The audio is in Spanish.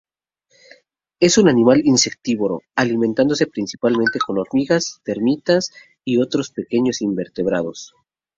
Es un animal insectívoro, alimentándose principalmente con hormigas, termitas y otros pequeños invertebrados.